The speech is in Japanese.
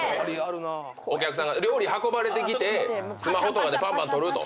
お客さんが料理運ばれてきてスマホとかでぱんぱん撮ると。